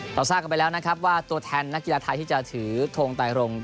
ทราบกันไปแล้วนะครับว่าตัวแทนนักกีฬาไทยที่จะถือทงไตรง